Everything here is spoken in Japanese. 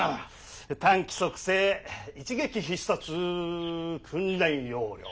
「短期速成一撃必殺訓練要領」。